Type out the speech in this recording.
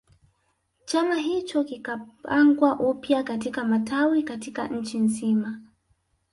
Chama hicho kikapangwa upya katika matawi katika nchi nzima